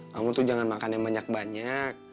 kamu tuh jangan makan yang banyak banyak